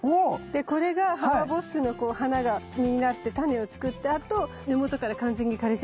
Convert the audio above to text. でこれがハマボッスの花が実になってタネを作ったあと根元から完全に枯れちゃってたの。